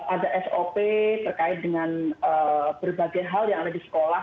ada sop terkait dengan berbagai hal yang ada di sekolah